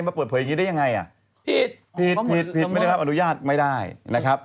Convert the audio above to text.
ก็ตัดสกัดอย่างนั้น